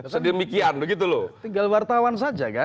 sedemikian begitu loh tinggal wartawan saja kan